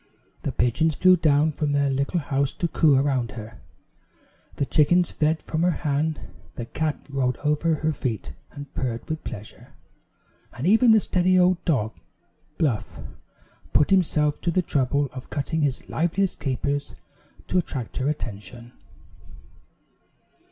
The pigeons flew down from their little house to coo around her; the chickens fed from her hand; the cat rolled over her feet and purred with pleasure; and even the steady old dog, Bluff, put himself to the trouble of cutting his liveliest capers to attract her attention.